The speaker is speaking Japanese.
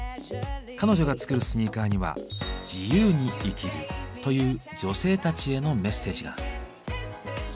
彼女が作るスニーカーには「自由に生きる」という女性たちへのメッセージが。